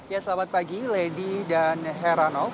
ya selamat pagi lady dan heranov